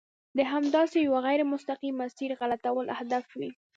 د همداسې یوه غیر مستقیم مسیر غلطول هدف وي.